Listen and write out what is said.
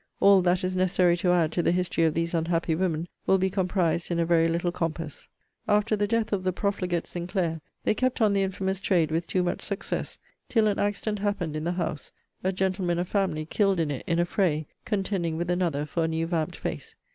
All that is necessary to add to the history of these unhappy women, will be comprised in a very little compass. After the death of the profligate Sinclair, they kept on the infamous trade with too much success; till an accident happened in the house a gentleman of family killed in it in a fray, contending with another for a new vamped face.